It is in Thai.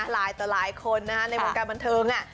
หลายต่อหลายคนนะในวงการบรรเทิงอ่ะ